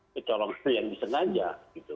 kecolongan yang disengaja gitu